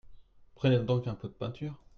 Prenez donc un pot de peinture.